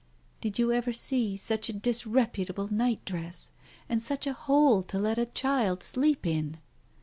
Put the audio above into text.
... "Did you ever see such a disreputable nightdress? And such a hole to let a child sleep in